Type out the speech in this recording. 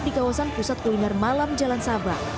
di kawasan pusat kuliner malam jalan sabang